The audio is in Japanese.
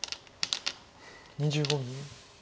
２５秒。